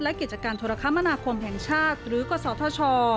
และกิจการโทรคมนาคมแห่งชาติหรือกศธช